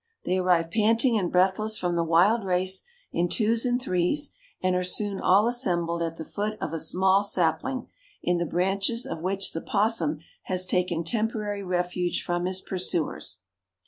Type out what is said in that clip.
They arrive panting and breathless from the wild race, in twos and threes, and are soon all assembled at the foot of a small sapling, in the branches of which the 'possum has taken temporary refuge from his pursuers.